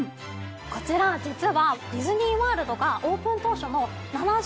こちら実は。